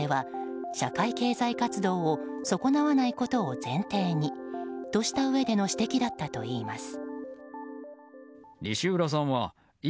それは社会経済活動を損なわないことを前提にとしたうえでの指摘だったといいます。